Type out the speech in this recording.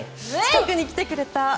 近くに来てくれた。